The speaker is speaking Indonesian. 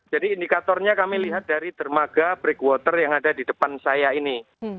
jadi indikatornya kami lihat dari dermaga breakwater yang ada di depan saya ini